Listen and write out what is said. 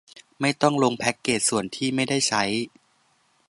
ไม่ต้องลงแพคเกจส่วนที่ไม่ได้ใช้